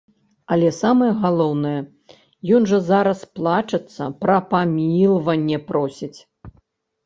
Але самае галоўнае, ён жа зараз плачацца, пра памілаванне просіць.